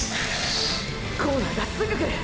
コーナーがすぐ来る！！